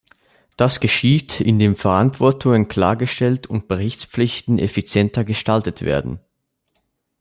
Das geschieht, indem Verantwortungen klargestellt und Berichtspflichten effizienter gestaltet werden.